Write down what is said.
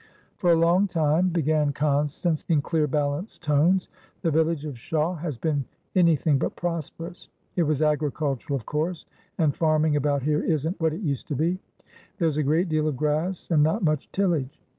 "For a long time," began Constance, in clear, balanced tones, "the village of Shawe has been anything but prosperous. It was agricultural, of course, and farming about here isn't what is used to be; there's a great deal of grass and not much tillage.